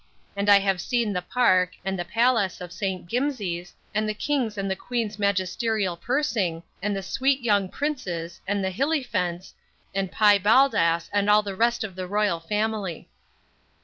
And I have seen the Park, and the paleass of Saint Gimses, and the king's and the queen's magisterial pursing, and the sweet young princes, and the hillyfents, and pye bald ass, and all the rest of the royal family.